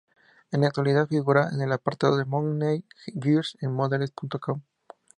En la actualidad, figura en el apartado de "Money Girls" en Models.com.